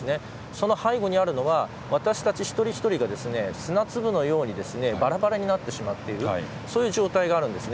その背後にあるのは私たち一人一人が砂粒のようにバラバラになってしまっているそういう状態があるんです。